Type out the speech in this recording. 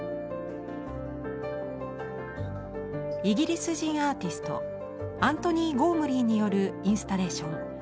イギリス人アーティストアントニーゴームリーによるインスタレーション